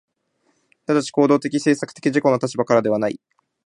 即ち行為的・制作的自己の立場からではない。